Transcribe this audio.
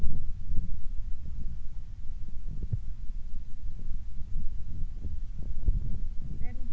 ทั่วนี้ก็หวานภูมิแล้วก็